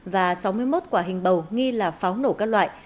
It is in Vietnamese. và sáu mươi một quả hình bầu nghi là pháo nổ các loại